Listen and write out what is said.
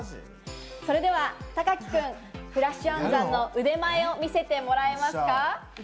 それではたかき君、フラッシュ暗算の腕前を見せてもらえますか？